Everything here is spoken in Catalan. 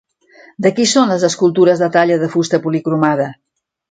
De qui són les escultures de talla de fusta policromada?